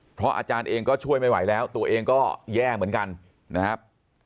เพราะอาจารย์เองก็ช่วยไม่ไหวแล้วตัวเองก็แย่เหมือนกันนะครับ